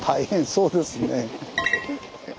そうですね。